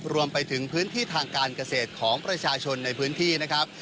รวมไปถึงพื้นที่ทางการเกษตรของประชาชนในพื้นที่นะครับ